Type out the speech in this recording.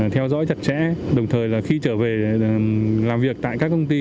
theo dõi chặt chẽ đồng thời là khi trở về làm việc tại các công ty